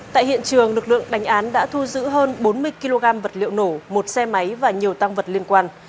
tại hiện trường lực lượng đánh án đã thu giữ hơn bốn mươi kg vật liệu nổ một xe máy và nhiều tăng vật liên quan